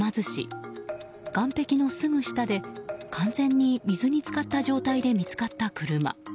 岸壁のすぐ下で、完全に水に浸かった状態で見つかった車。